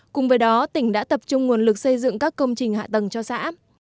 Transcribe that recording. cùng với đó tỉnh đã tập trung nguồn lực xây dựng các công trình hạ tầng cho xã